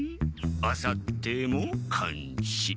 あさってもかんし。